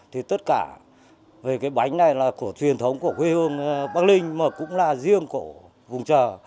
thì tất cả về cái bánh này là của truyền thống của quê hương bắc linh mà cũng là riêng của vùng trờ